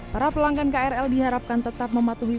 para pelanggan krl diharapkan tetap mematuhi